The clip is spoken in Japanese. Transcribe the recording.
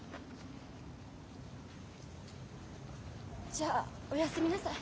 じゃあお休みなさい。